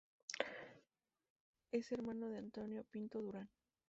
Es hermano de Antonio Pinto Durán.